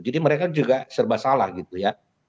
jadi mereka juga serba salah gitu ya